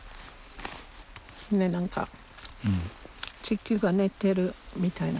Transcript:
何か地球が寝てるみたいな感じ。